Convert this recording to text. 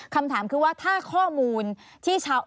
คำถามคือว่าถ้าข้อมูลที่ชาว